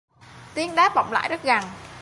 tiếng đáp vọng lại rất gần